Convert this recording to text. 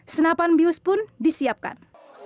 senapan bius pun disiapkan